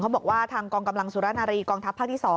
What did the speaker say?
บอกว่าทางกองกำลังสุรนารีกองทัพภาคที่๒